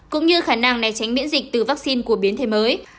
cũng như khả năng này tránh miễn dịch từ vaccine của biến thể mới